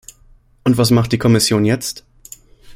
Und was macht die Kommission jetzt?